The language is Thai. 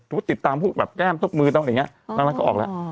ถูกว่าติดตามพวกแก้มทบมือตรงนั้นก็ออกแล้ว